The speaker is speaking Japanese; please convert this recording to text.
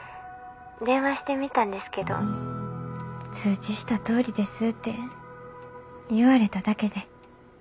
電話してみたんですけど通知したとおりですって言われただけで。